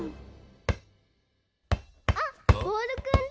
あっボールくんだ！